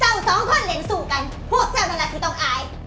เราสองคนเล่นสู้กันพวกเท่านั้นแหละคือต้องอาย